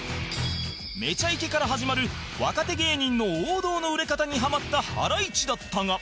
『めちゃイケ』から始まる若手芸人の王道の売れ方にハマったハライチだったが